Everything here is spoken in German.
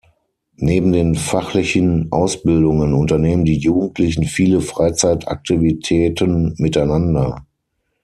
Neben den fachlichen Ausbildungen unternehmen die Jugendlichen viele Freizeitaktivitäten miteinander.